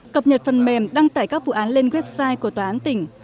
cập nhật phần mềm đăng tải các vụ án lên website của tòa án tỉnh